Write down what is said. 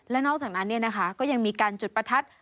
และนอกจากนั้นก็ยังมีการจุดประทัด